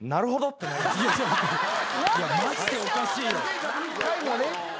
マジでおかしいよ。